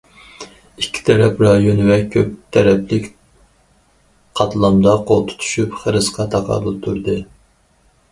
ئىككى تەرەپ رايون ۋە كۆپ تەرەپلىك قاتلامدا قول تۇتۇشۇپ خىرىسقا تاقابىل تۇردى.